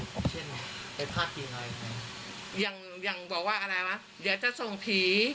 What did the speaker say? พี่เอาคือเช่นไอ้พาทีอะไรอย่างนี้ยังยังบอกว่าอะไรวะเดี๋ยวจะส่งผี